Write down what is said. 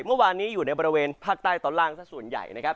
เมื่อวานนี้อยู่ในบริเวณภาคใต้ตอนล่างสักส่วนใหญ่นะครับ